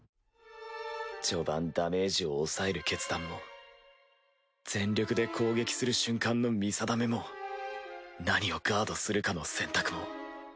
序盤ダメージを抑える決断も全力で攻撃する瞬間の見定めも何をガードするかの選択も